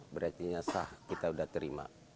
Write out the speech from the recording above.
berarti nyasah kita sudah terima